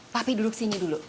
papi duduk sini dulu